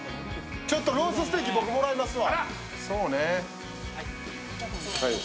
ロースステーキ、僕、もらいますわ。